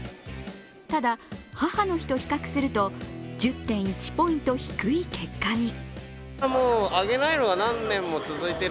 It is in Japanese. ただ、母の日と比較すると１０．１ポイント低い結果に。